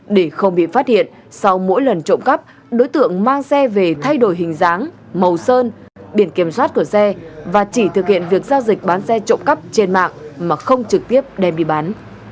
để không bị phát hiện sau mỗi lần trộm cắp đối tượng mang xe về thay đổi hình dáng màu sơn biển kiểm soát của xe và chỉ thực hiện việc giao dịch bán xe trộm cắp trên mạng mà không trực tiếp đem đi bán